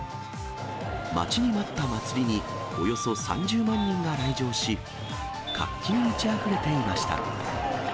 待ちに待った祭りに、およそ３０万人が来場し、活気に満ちあふれていました。